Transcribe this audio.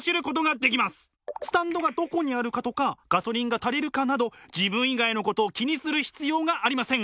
スタンドがどこにあるかとかガソリンが足りるかなど自分以外のことを気にする必要がありません。